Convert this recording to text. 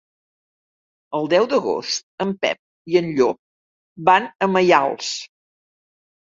El deu d'agost en Pep i en Llop van a Maials.